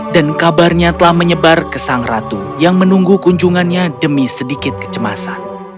dan kabarnya telah menyebar ke sang ratu yang menunggu kunjungannya demi sedikit kecemasan